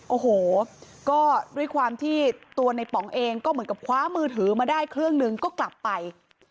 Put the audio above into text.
โอ้โหก็ด้วยความที่ตัวในป๋องเองก็เหมือนกับคว้ามือถือมาได้เครื่องหนึ่งก็กลับไป